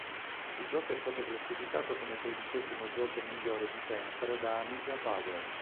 Il gioco è stato classificato come tredicesimo gioco migliore di sempre da "Amiga Power".